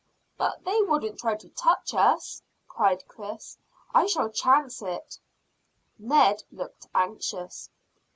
"But they wouldn't try to touch us," cried Chris. "I shall chance it." Ned looked anxious.